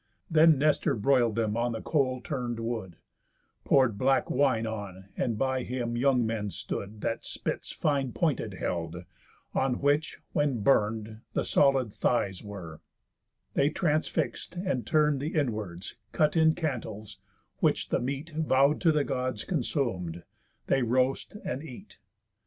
Then Nestor broil'd them on the coal turn'd wood, Pour'd black wine on; and by him young men stood, That spits fine pointed held, on which, when burn'd The solid thighs were, they transfix'd, and turn'd The inwards, cut in cantles; which, the meat Vow'd to the Gods consum'd, they roast and eat.